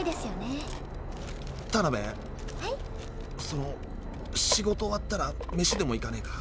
その仕事終わったらメシでも行かねえか？